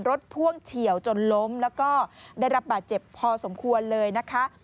พ่วงเฉียวจนล้มแล้วก็ได้รับบาดเจ็บพอสมควรเลยนะคะ